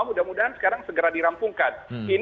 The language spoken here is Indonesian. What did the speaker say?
mudah mudahan sekarang segera dirampungkan